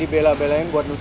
boleh banyak omong